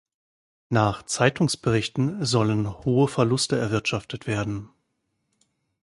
Nach Zeitungsberichten sollen hohe Verluste erwirtschaftet werden.